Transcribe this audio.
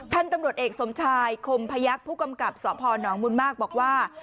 ท่านตำรวจเอกสมชายคมพยักษ์ผู้กำกับสอบพรน้องมุนมากบอกว่า